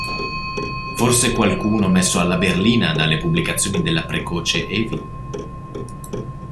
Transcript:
Forse qualcuno messo alla berlina dalle pubblicazioni della precoce Evi?